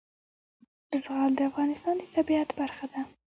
زغال د افغانستان د طبیعت برخه ده.